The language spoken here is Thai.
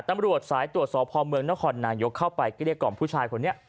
ตำรวจสายตรวจสอบพอเมืองนครนายกเข้าไปเกลี้ยกล่อมผู้ชายคนนี้